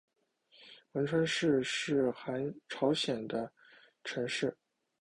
文川市是朝鲜城市。